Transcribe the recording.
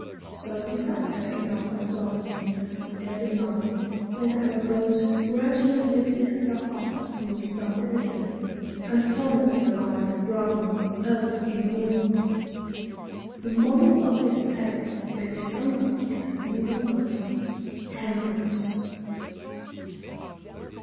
So we sat there in our wet garments until the dead of night, when our boat gradually lifted herself off and we started again, and finally arrived at Braman's early in the morning. The moral of this tale may be summed up in a single word, TEMPERANCE.